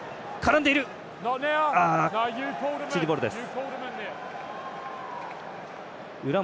チリボールです。